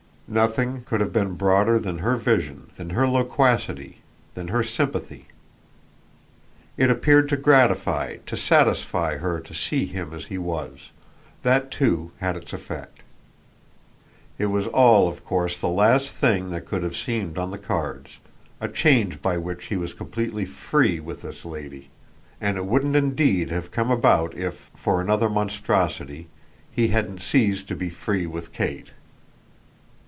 Nothing could have been broader than her vision, than her loquacity, than her sympathy. It appeared to gratify, to satisfy her to see him as he was; that too had its effect. It was all of course the last thing that could have seemed on the cards, a change by which he was completely FREE with this lady; and it wouldn't indeed have come about if for another monstrosity he hadn't ceased to be free with Kate.